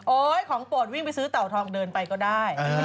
ของโปรดวิ่งไปซื้อเต่าทองเดินไปก็ได้